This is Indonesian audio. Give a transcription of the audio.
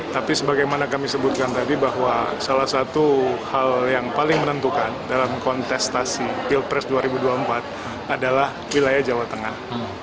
tapi sebagaimana kami sebutkan tadi bahwa salah satu hal yang paling menentukan dalam kontestasi pilpres dua ribu dua puluh empat adalah wilayah jawa tengah